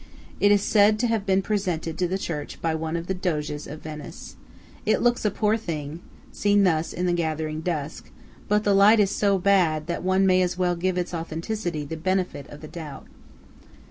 It is said to have been presented to the church by one of the Doges of Venice. It looks a poor thing, seen thus in the gathering dusk; but the light is so bad that one may as well give its authenticity the benefit of the doubt.